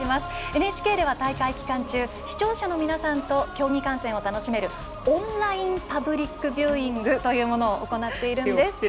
ＮＨＫでは、大会期間中視聴者の皆さんと競技観戦を楽しめるオンラインパブリックビューイングというものを行っているんです。